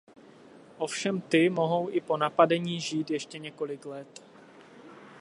Ovšem ty mohou i po napadení žít ještě několik let.